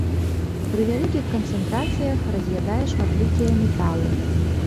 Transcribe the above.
Пры вялікіх канцэнтрацыях раз'ядае шматлікія металы.